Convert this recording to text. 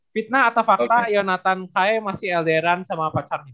fitnah atau fakta yonatan kaye masih elderan sama pacarnya